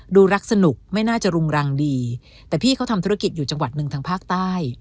ดูรักสนุกไม่น่าจะรุงรังดีแต่พี่เขาทำธุรกิจอยู่จังหวัดหนึ่งทางภาคใต้